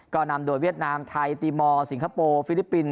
ก็นำโดยเวียดนามไทยตีมอร์สิงคโปร์ฟิลิปปินส